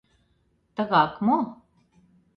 — Тыгак мо?